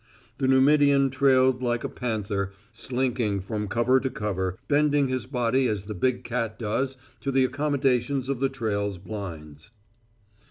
The Numidian trailed like a panther, slinking from cover to cover, bending his body as the big cat does to the accommodations of the trail's blinds.